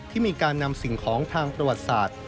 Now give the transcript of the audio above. ที่มีการนำสิ่งของทางประวัติศาสตร์